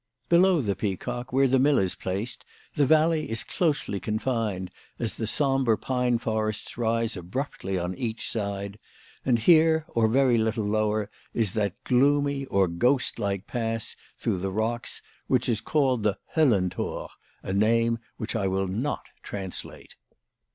Below the Peacock, where the mill is placed, the valley is closely confined, as the sombre pine forests rise abruptly on each side; and here, or very little lower, is that gloomy or ghost like pass through the rocks, which is called the Hollenthor ; a name which I will not translate.